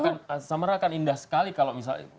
atau akan samara akan indah sekali kalau misalnya